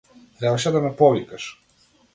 Требаше да ме повикаш.